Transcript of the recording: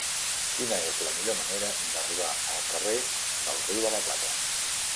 Quina és la millor manera d'arribar al carrer del Riu de la Plata?